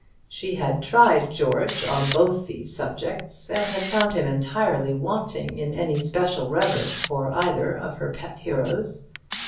She had tried George on both these subjects, and had found him entirely wanting in any special reverence for either of her pet heroes.